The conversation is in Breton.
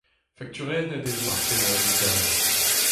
Fakturennet e vo ar pennadoù dale.